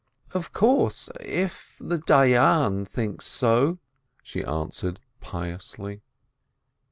"Of course, if the Dayan says so," she answered piously.